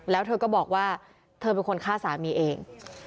แล้วเธอก็บอกว่าเธอเป็นคนฆ่าสามีเอง